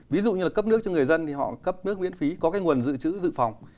ví dụ như là cấp nước cho người dân thì họ cấp nước miễn phí có cái nguồn dự trữ dự phòng